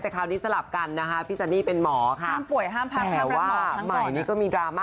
แต่คำนึงสลับกันนะครับพี่เป็นหมอครับโดยห้ามทำแหลมว่ามักใดกว่ามายมีก็มีดรามาก